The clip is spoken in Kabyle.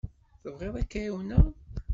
Tebɣiḍ ad k-ɛawneɣ?